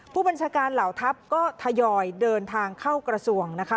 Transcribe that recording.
ผู้บัญชาการเหล่าทัพก็ทยอยเดินทางเข้ากระทรวงนะคะ